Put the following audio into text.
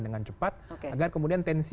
dengan cepat agar kemudian tensi